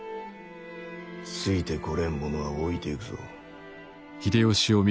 ついてこれん者は置いてゆくぞ。